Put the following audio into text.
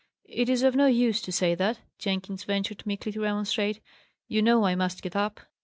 "It is of no use to say that," Jenkins ventured meekly to remonstrate. "You know I must get up."